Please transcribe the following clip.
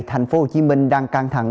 thành phố hồ chí minh đang căng thẳng